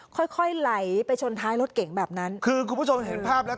ค่อยค่อยไหลไปชนท้ายรถเก่งแบบนั้นคือคุณผู้ชมเห็นภาพแล้ว